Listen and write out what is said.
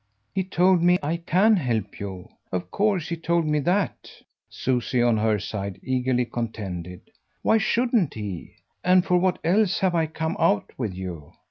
"He told me I CAN help you of course he told me that," Susie, on her side, eagerly contended. "Why shouldn't he, and for what else have I come out with you?